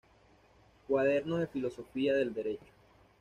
Cuadernos de Filosofía del Derecho.